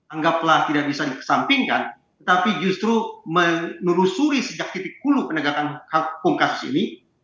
anggaplah tidak bisa dikesampingkan tetapi justru menelusuri sejak titik hulu penegakan hukum kasus ini